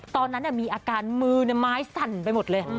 ตอนนั้นมีอาการมือไม้สั่นไปหมดเลย